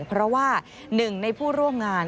เพราะว่าหนึ่งในผู้ร่วมงาน